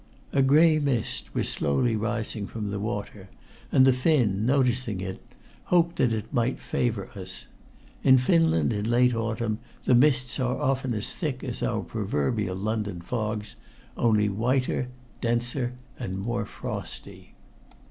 A gray mist was slowly rising from the water, and the Finn, noticing it, hoped that it might favor us. In Finland in late autumn the mists are often as thick as our proverbial London fogs, only whiter, denser, and more frosty.